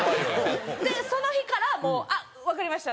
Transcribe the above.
その日からもうあっわかりました